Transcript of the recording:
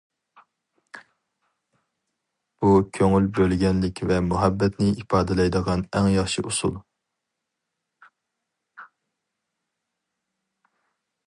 بۇ كۆڭۈل بۆلگەنلىك ۋە مۇھەببەتنى ئىپادىلەيدىغان ئەڭ ياخشى ئۇسۇل.